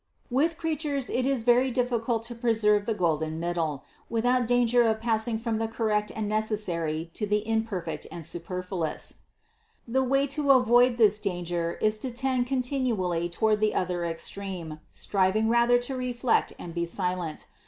With creatures it is very difficult to preserve the THE CONCEPTION 307 golden middle, without danger of passing from the cor rect and necessary to the imperfect and superfluous. 387. The way to avoid this danger is to tend contin ually toward the other extreme, striving rather to re flect and be silent.